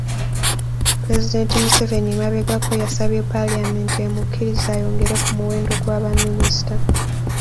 Pulezidenti Museveni emabegako yasabye Paalamenti emukkirize ayongere ku muwendo gwa baminisita.